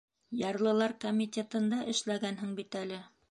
Ярлылар комитетында эшләгәнһең бит әле.